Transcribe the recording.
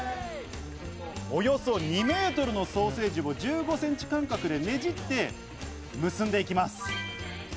およそ２メートルのソーセージを１５センチ間隔でねじって、結んで行きます。